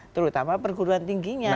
terutama perguruan tingginya